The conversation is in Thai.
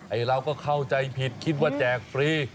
เราก็เข้าใจผิดคิดว่าแจกฟรี